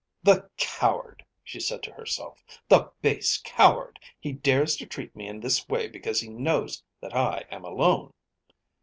"The coward!" she said to herself, "the base coward! He dares to treat me in this way because he knows that I am alone."